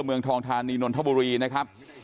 เมืองทองทานีนนทบุรีนะครับ